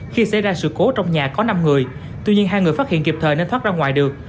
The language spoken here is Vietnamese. khi xảy ra sự cố trong nhà có năm người tuy nhiên hai người phát hiện kịp thời nên thoát ra ngoài được